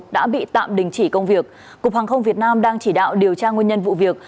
đã bị tạm đình chỉ công việc cục hàng không việt nam đang chỉ đạo điều tra nguyên nhân vụ việc